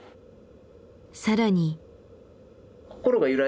更に。